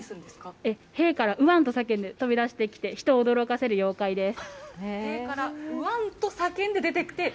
塀から、うあんと叫んで、飛び出してきて、人を驚かせる妖怪です。